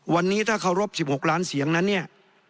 วันนี้ถ้าเคารพ๑๖ล้านเสียงนั้นเนี่ย